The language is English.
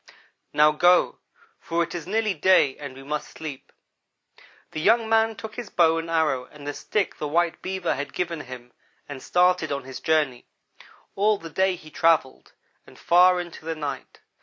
"'Now go, for it is nearly day and we must sleep.' "The young man took his bow and arrow and the stick the white Beaver had given him and started on his journey. All the day he travelled, and far into the night.